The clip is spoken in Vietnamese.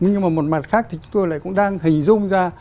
nhưng mà một mặt khác thì chúng tôi lại cũng đang hình dung ra